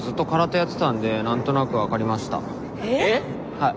はい。